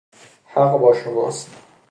حق با شماست.